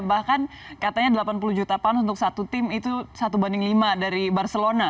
bahkan katanya delapan puluh juta panus untuk satu tim itu satu banding lima dari barcelona